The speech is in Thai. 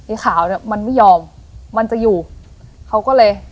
ขาวเนี้ยมันไม่ยอมมันจะอยู่เขาก็เลย